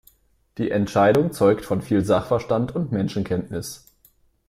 Die Entscheidung zeugt von viel Sachverstand und Menschenkenntnis.